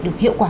được hiệu quả